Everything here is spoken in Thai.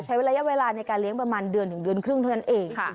ใช้ระยะเวลาในการเลี้ยงประมาณเดือนถึงเดือนครึ่งเท่านั้นเอง